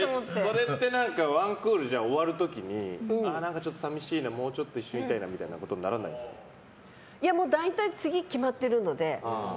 それって、１クール終わる時に何かちょっと寂しいなもうちょっと一緒にいたいな大体、次決まってるので。